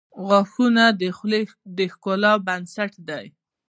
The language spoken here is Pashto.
• غاښونه د خولې د ښکلا بنسټ دي.